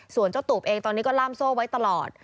ส่วนเจ้าตูบเองตอนนี้ก็ล่ามโซ่ไว้ตลอด